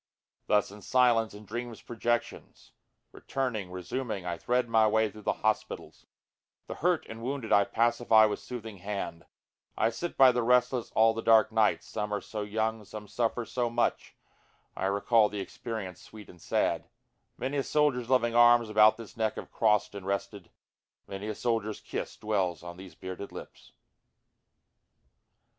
4 Thus in silence in dreamsâ projections, Returning, resuming, I thread my way through the hospitals, The hurt and wounded I pacify with soothing hand, I sit by the restless all the dark night, some are so young, Some suffer so much, I recall the experience sweet and sad, (Many a soldierâs loving arms about this neck have crossâd and rested, Many a soldierâs kiss dwells on these bearded lips.)